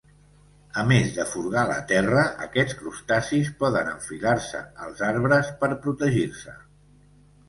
A més de furgar la terra, aquests crustacis poden enfilar-se als arbres per protegir-se.